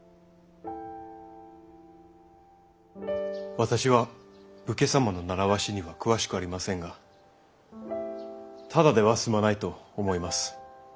私は武家様の習わしには詳しくありませんがただでは済まないと思います。